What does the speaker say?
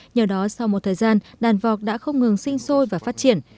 nhờ đó sau một thời gian đàn vọc đã không ngừng sinh sôi và phát triển